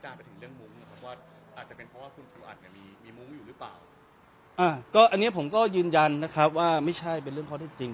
อันนี้ผมก็ยืนยันนะครับว่าไม่ใช่เป็นเรื่องข้อที่จริง